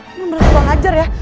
emang bener bener lo ngajar ya